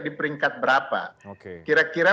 di peringkat berapa oke kira kira